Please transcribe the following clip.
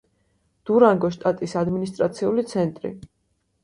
დურანგოს შტატის ადმინისტრაციული ცენტრი.